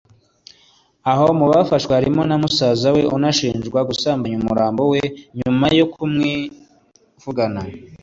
aho mu bafashwe harimo na musaza we unashinjwa gusambanya umurambo we nyuma yo kumwivugana